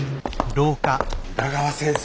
宇田川先生。